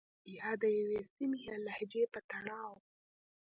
يا د يوې سيمې يا لهجې په تړاو